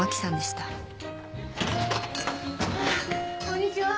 こんにちは